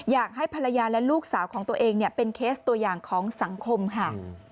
อยากให้ภรรยาและลูกสาวของตัวเองเป็นเคสตัวอย่างของสังคมค่ะ